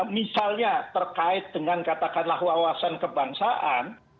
misalnya terkait dengan katakanlah wawasan kebangsaan